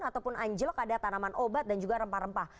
ataupun anjlok ada tanaman obat dan juga rempah rempah